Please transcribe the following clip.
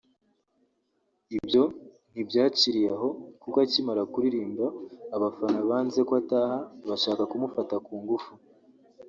Ibyo ntibyaciriye aho kuko akimara kuririmba abafana banze ko ataha bashaka kumufata ku ngufu